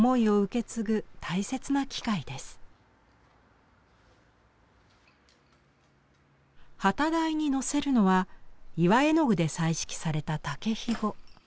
機台にのせるのは岩絵の具で彩色された竹ひご。